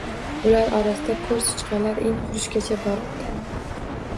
Ular orasida ko`rsichqonlar in qurishgacha boribdi